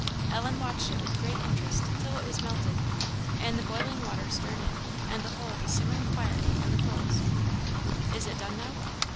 Ellen watched it with great interest till it was melted, and the boiling water stirred in, and the whole was simmering quietly on the coals. "Is it done now?"